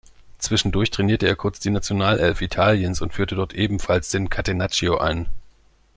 Zwischendurch trainierte er kurz die Nationalelf Italiens und führte dort ebenfalls den Catenaccio ein.